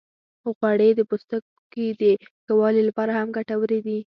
غوړې د پوستکي د ښه والي لپاره هم ګټورې دي.